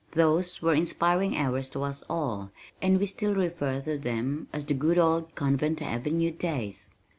Those were inspiring hours to us all and we still refer to them as "the good old Convent Avenue days!"